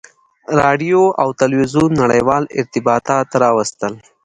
• راډیو او تلویزیون نړیوال ارتباطات راوستل.